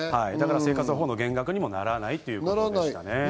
生活保護の減額にもならないということです。